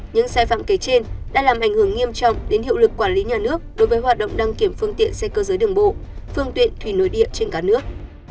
những sai phạm kế trên đã làm ảnh hưởng nghiêm trọng đến hiệu lực quản lý nhà nước đối với hoạt động đăng kiểm phương tiện xe cơ giới đường bộ phương tiện thủy nội địa trên cả nước